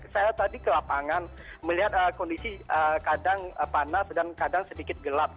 saya tadi ke lapangan melihat kondisi kadang panas dan kadang sedikit gelap